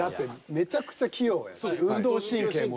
めちゃくちゃ器用やん。